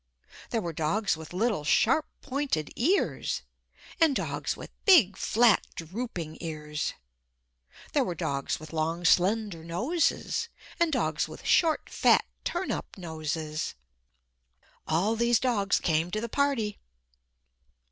There were dogs with little sharp pointed ears and dogs with big flat drooping ears. There were dogs with long slender noses and dogs with short fat turn up noses. All these dogs came to the party.